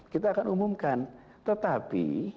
kita akan umumkan tetapi